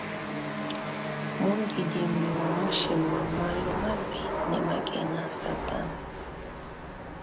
Mundidimbi wa mushimi wa malu mabi ne makenga a satana.